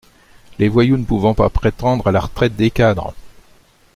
les voyous ne pouvant pas prétendre à la retraite des cadres.